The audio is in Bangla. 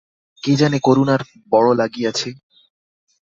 কে জানে, করুণার বড়ো লাগিয়াছে।